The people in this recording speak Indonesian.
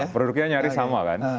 produknya nyaris sama kan